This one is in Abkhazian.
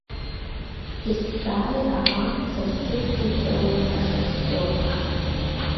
Есааира амца сыҵеиҵауеит ашахтиор.